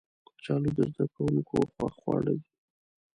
کچالو د زده کوونکو خوښ خواړه دي